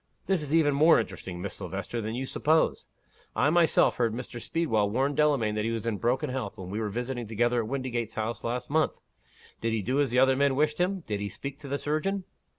This is even more interesting, Miss Silvester, than you suppose. I myself heard Mr. Speedwell warn Delamayn that he was in broken health, when we were visiting together at Windygates House last month. Did he do as the other men wished him? Did he speak to the surgeon?"